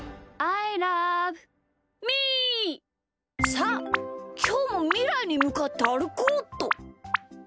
さあきょうもみらいにむかってあるこうっと。